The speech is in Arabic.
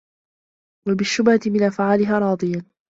وَبِالشُّبْهَةِ مِنْ أَفْعَالِهَا رَاضِيًا